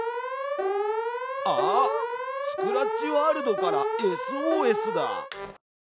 あっスクラッチワールドからＳＯＳだ！